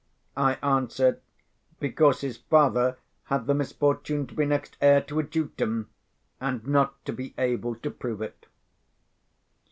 I answer, because his father had the misfortune to be next heir to a Dukedom, and not to be able to prove it.